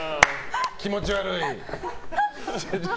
気持ち悪い。